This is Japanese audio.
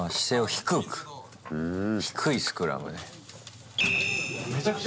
低いスクラム。